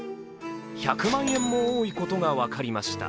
１００万円も多いことが分かりました